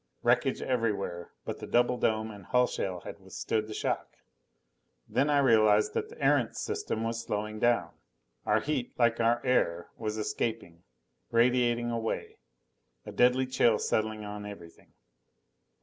Wreckage everywhere but the double dome and hull shell had withstood the shock. Then I realized that the Erentz system was slowing down. Our heat, like our air, was escaping, radiating away, a deadly chill settling on everything.